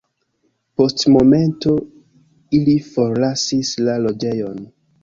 Post momento ili forlasis la loĝejon.